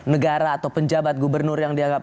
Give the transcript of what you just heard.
negara atau penjabat gubernur yang dianggap